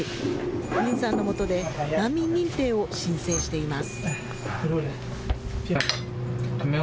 ウィンさんのもとで難民認定を申請しています。